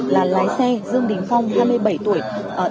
là lái xe dương đình phong hai mươi bảy tuổi